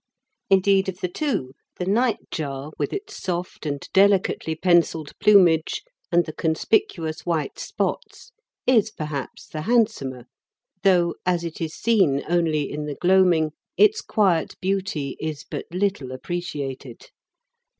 Indeed of the two, the nightjar, with its soft and delicately pencilled plumage and the conspicuous white spots, is perhaps the handsomer, though, as it is seen only in the gloaming, its quiet beauty is but little appreciated.